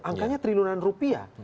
angkanya triliunan rupiah